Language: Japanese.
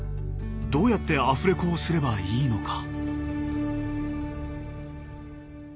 どうやってアフレコをすればいいのか。